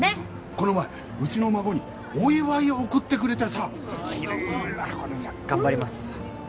この前うちの孫にお祝いを送ってくれてさキレイな箱でさ頑張ります